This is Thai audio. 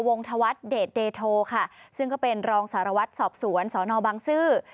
ธวัฒน์เดชเดโทค่ะซึ่งก็เป็นรองสารวัตรสอบสวนสอนอบังซื้อ